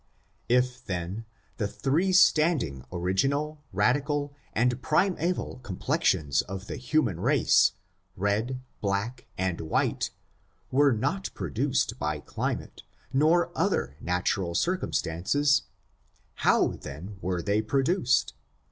I^ then, the three standing original, radical, and primeval complexions of the human race, red, BLACK, and WHITE, were not produced by climate, nor other natural circumstances, how, then, were they produced